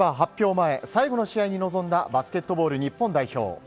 前最後の試合に臨んだバスケットボール日本代表。